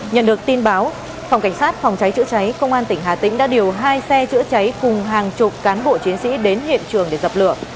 nhận được tin báo phòng cảnh sát phòng cháy chữa cháy công an tỉnh hà tĩnh đã điều hai xe chữa cháy cùng hàng chục cán bộ chiến sĩ đến hiện trường để dập lửa